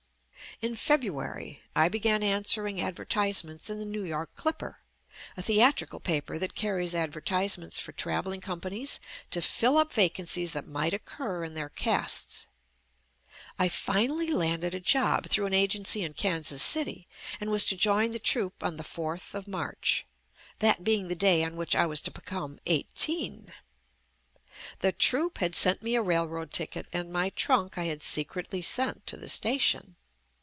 In February, I began answering advertise ments in the New York Clipper, a theatrical paper that carries advertisements for travelling companies to fill up vacancies that might occur in their casts. I finally landed a job through an agency in Kansas City and was to join the troupe on the 4th of March, that being the day on which I was to become eighteen. The troupe had sent me a railroad ticket and my trunk I had secretly sent to the station.